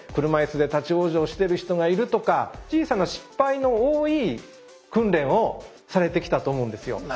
車椅子で立ち往生してる人がいるとか小さな失敗の多い訓練をされてきたと思うんですよ。